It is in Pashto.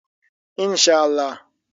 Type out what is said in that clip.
ان شاء الله.